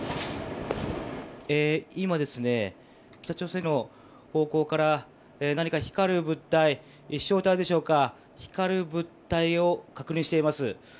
今、北朝鮮の方向から何か光る物体飛翔体でしょうか光る物体を確認しています。